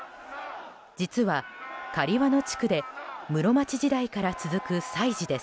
実は、刈和野地区で室町時代から続く祭事です。